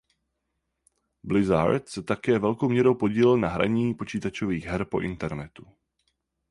Blizzard se také velkou měrou podílel na hraní počítačových her po internetu.